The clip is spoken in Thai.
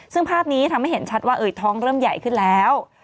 ซึ่งภาพนี้ทำให้เห็นชัดว่าท้องเริ่มใหญ่ขึ้นแล้ว